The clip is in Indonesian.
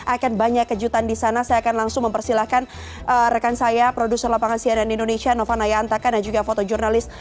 akan banyak kejutan di sana saya akan langsung mempersilahkan rekan saya produs lo cortar germans nyesha nova nyataka aja tahu jurnalis